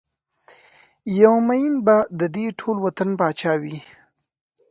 یو ميېن به ددې ټول وطن پاچا وي